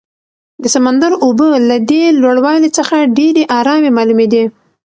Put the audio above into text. د سمندر اوبه له دې لوړوالي څخه ډېرې ارامې معلومېدې.